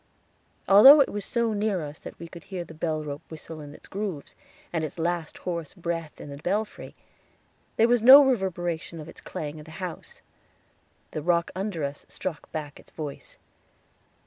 Although it was so near us that we could hear the bellrope whistle in its grooves, and its last hoarse breath in the belfry, there was no reverberation of its clang in the house; the rock under us struck back its voice.